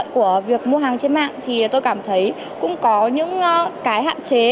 của việc mua hàng trên mạng thì tôi cảm thấy cũng có những cái hạn chế